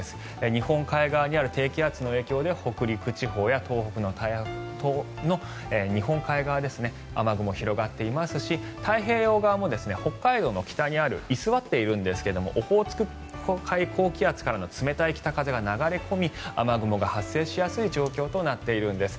日本海側にある低気圧の影響で北陸、東北の日本海側に雨雲が広がっていますし太平洋側も、北海道の北に居座っているんですがオホーツク海高気圧からの冷たい北風が流れ込み雨雲が発生しやすい状況となっているんです。